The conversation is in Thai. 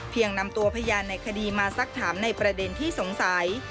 นำตัวพยานในคดีมาสักถามในประเด็นที่สงสัย